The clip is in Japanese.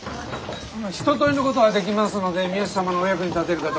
一とおりのことはできますので三好様のお役に立てるかと。